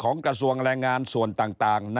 กระทรวงแรงงานส่วนต่าง